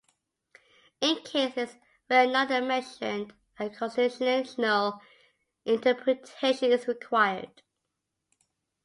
In cases where none are mentioned, a constitutional interpretation is required.